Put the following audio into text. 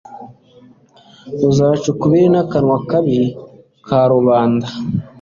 uzaca ukubiri n'akanwa kabi ka rubanda